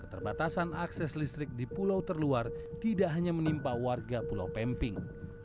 keterbatasan akses listrik di pulau terluar tidak hanya menimpa warga pulau pemping